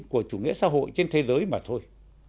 của chủ nghĩa xã hội trên thế giới mà thôi